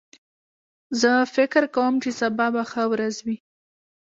زه فکر کوم چې سبا به ښه ورځ وي